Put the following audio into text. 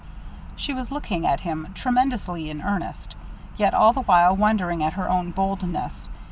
She was looking at him, tremendously in earnest, yet all the while wondering at her own boldness.